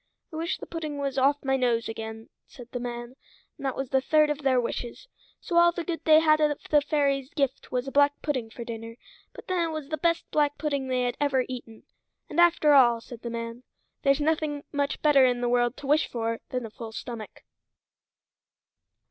"I wish the pudding was off my nose again," said the man, and that was the third of their wishes. So all the good they had of the fairy's gift was a black pudding for dinner; but then it was the best black pudding they had ever eaten. "And after all," said the man, "there's nothing much better in the world to wish for than a full stomach."